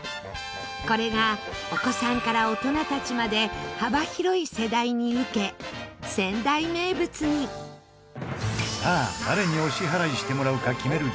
これがお子さんから大人たちまで幅広い世代に受け、仙台名物にさあ誰にお支払いしてもらうか決める